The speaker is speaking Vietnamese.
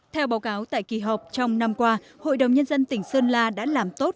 theo báo cáo tại kỳ họp trong năm qua hội đồng nhân dân tỉnh sơn la đã làm tốt